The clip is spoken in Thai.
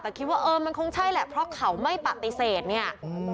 แต่คิดว่าเออมันคงใช่แหละเพราะเขาไม่ปฏิเสธเนี่ย